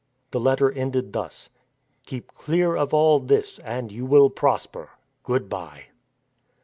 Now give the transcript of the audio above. The letter ended thus :" Keep clear of all this and you will prosper. Good bye."